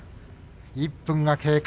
１分経過。